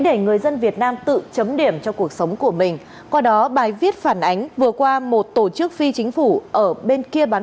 sẽ đem lại hiệu quả cao trong công tác phòng cháy chữa cháy